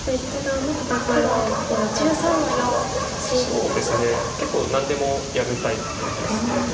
そうですね結構何でもやるタイプですけど。